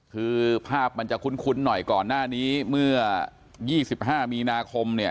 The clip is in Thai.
คือภาพมันจะคุ้นหน่อยก่อนหน้านี้เมื่อ๒๕มีนาคมเนี่ย